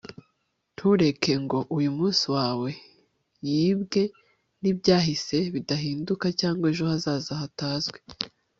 ntureke ngo uyumunsi wawe yibwe nibyahise bidahinduka cyangwa ejo hazaza hatazwi